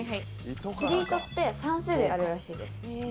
釣り糸って３種類あるらしいです。